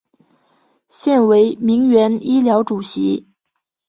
现为铭源医疗主席。